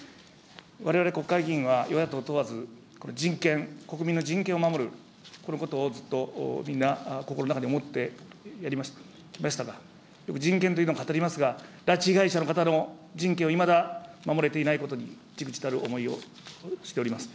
われわれ国会議員は、与野党問わず、人権、国民の人権を守る、このことをずっと、みんな、心の中で思っておりましたが、人権というのは、、拉致被害者の方の人権を、いまだ守れていないことに、じくじたる思いをしております。